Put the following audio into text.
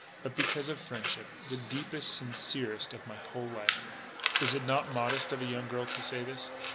But because of friendship, the deepest, sincerest of my WHOLE LIFE. "Is it not modest of a young girl to say this?